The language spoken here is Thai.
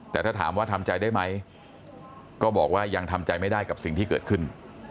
แต่ถ้าถามว่าทำใจได้ไหมก็บอกว่ายังทำใจไม่ได้กับสิ่งที่เกิดขึ้น